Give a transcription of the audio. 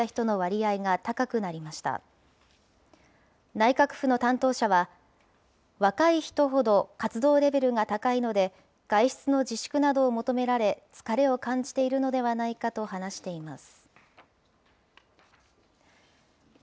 内閣府の担当者は、若い人ほど活動レベルが高いので、外出の自粛などを求められ、疲れを感じているのではないかと話しています。